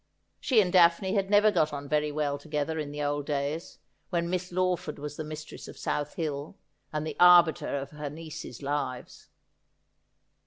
She and Daphne had never got on very well together in the old days, when Miss Law ford was the mistress of South Hill, and the arbiter of her nieces' lives.